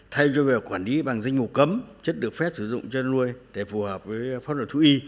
thay do về quản lý bằng dinh mục cấm chất được phép sử dụng chăn nuôi để phù hợp với pháp luật thú y